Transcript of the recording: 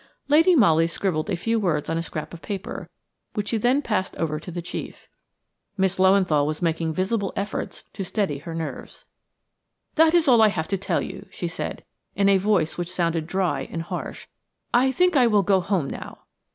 Lady Molly scribbled a few words on a scrap of paper, which she then passed over to the chief. Miss Löwenthal was making visible efforts to steady her nerves. "That is all I have to tell you," she said, in a voice which sounded dry and harsh. "I think I will go home now."